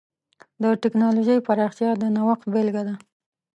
د ټکنالوجۍ پراختیا د نوښت بېلګه ده.